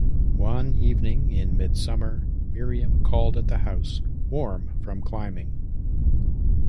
One evening in midsummer Miriam called at the house, warm from climbing.